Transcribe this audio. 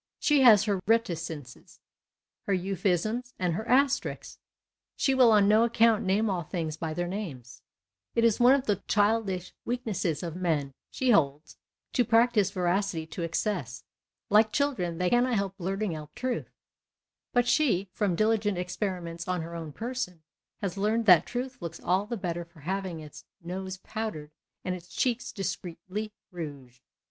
She has her reticences, her euphemisms, and her asterisks. She will on no account name all things by their names. It is one of the childish weak nesses of men, she holds, to practise veracity to excess. Like children, they cannot help blurting out the truth. But she, from diligent experiments on her own person, has learnt that truth looks all the better for having its nose powdered and its cheeks discreetly rouged.